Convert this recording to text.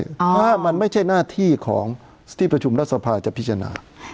เพราะมันไม่ใช่หน้าที่ของที่ประชุมรัฐสภาจะพิจารณา